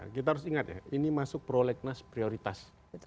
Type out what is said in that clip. kita harus ingat ya ini masuk prolegnas prioritas